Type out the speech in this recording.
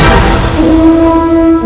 aku akan menang